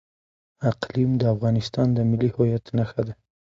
اقلیم د افغانستان د ملي هویت نښه ده.